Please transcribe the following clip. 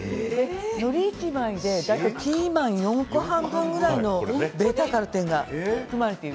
のり１枚でピーマン４個半くらいのβ−カロテンが含まれている。